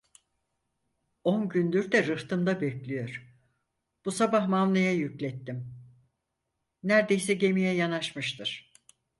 On gündür de rıhtımda bekliyor, bu sabah mavnaya yüklettim, nerdeyse gemiye yanaşmıştır!